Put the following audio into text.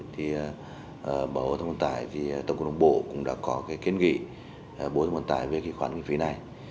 thì bộ thông công tài tổng cộng đồng bộ cũng đã có cái kiến nghị bộ thông công tài về cái khoản lấy phí này